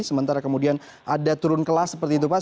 sementara kemudian ada turun kelas seperti itu pak